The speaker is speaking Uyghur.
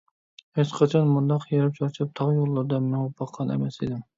ھېچقاچان مۇنداق ھېرىپ - چارچاپ، تاغ يوللىرىدا مېڭىپ باققان ئەمەس ئىدىم!